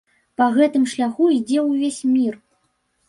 Па гэтым шляху ідзе ўвесь мір.